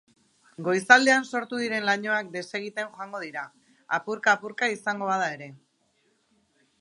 Goizaldean sortu diren lainoak desegiten joango dira, apurka-apurka izango bada ere.